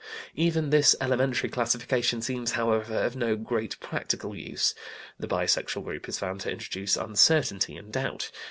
Even this elementary classification seems however of no great practical use. The bisexual group is found to introduce uncertainty and doubt.